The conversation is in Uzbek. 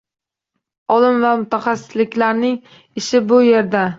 Olim va mutaxassislarning ishi bu yerda